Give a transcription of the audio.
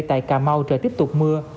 tại cà mau trời tiếp tục mưa